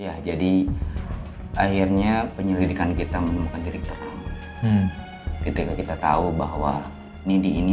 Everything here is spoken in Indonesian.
ya jadi akhirnya penyelidikan kita menemukan titik terang ketika kita tahu bahwa midi ini